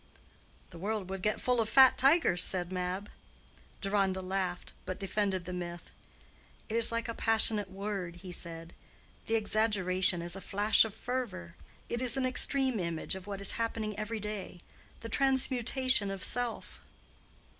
"The world would get full of fat tigers," said Mab. Deronda laughed, but defended the myth. "It is like a passionate word," he said; "the exaggeration is a flash of fervor. It is an extreme image of what is happening every day—the transmutation of self."